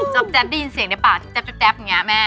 จ๊อปจ๋อปได้ยินเสียงได้ปะจ๊อปแบบนี้แม่